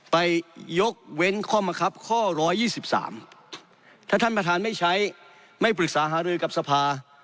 ไปยกเว้นข้อมะครับข้อ๑๒๓ถ้าท่านประธานไม่ใช้ไม่ปรึกษาหารือกับสภา